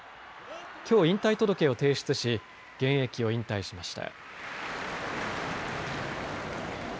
きょう引退届を提出し現役を引退しました。